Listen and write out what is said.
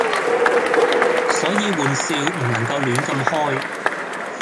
所以玩笑唔能夠亂咁開